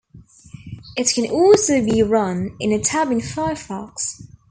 It can also be run in a tab in Firefox.